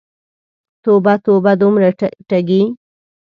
توبه، توبه، دومره ټګې!